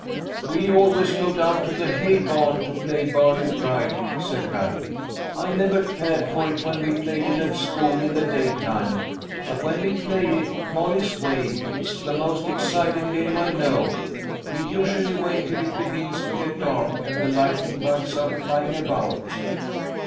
"We always go down to the hay barn to play Barley bright," said Bradley. " I never cared for it when we played it at school in the day time, but when we play it Molly's way it is the most exciting game I know. We usually wait till it begins to get dark and the lightning bugs are flying about.